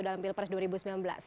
dalam hal ini